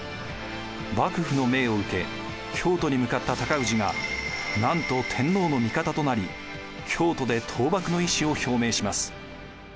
幕府の命を受け京都に向かった高氏がなんと天皇の味方となり京都で倒幕の意思を表明します。